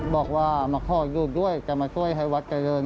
บอกว่ามาขออยู่ด้วยจะมาช่วยให้วัดเจริญ